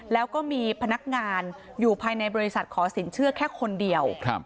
แล้วก็มีพนักงานอยู่ภายในบริษัทขอสินเชื่อแค่คนเดียว